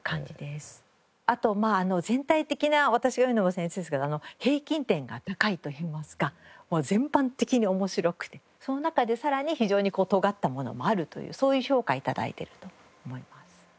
あと全体的な私が言うのも僭越ですが平均点が高いといいますかもう全般的に面白くてその中でさらに非常にとがったものもあるというそういう評価を頂いていると思います。